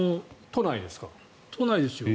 都内ですよ。